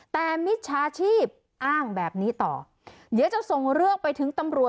แต่มิจฉาชีพอ้างแบบนี้ต่อเดี๋ยวจะส่งเรื่องไปถึงตำรวจ